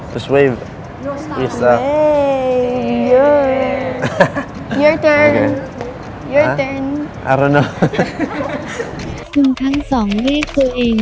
เคลื่อมแสดงเท่านี้เวียง